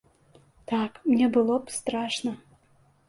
Так, мне было б страшна!